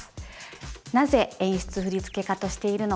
なぜ演出振付家としているのか。